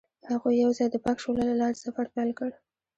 هغوی یوځای د پاک شعله له لارې سفر پیل کړ.